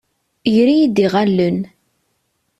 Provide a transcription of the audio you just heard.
Ger-iyi-d iɣallen.